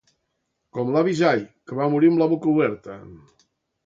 Com l'avi Jai, que va morir amb la boca oberta.